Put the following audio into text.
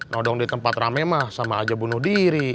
nodong di tempat rame mah sama aja bunuh diri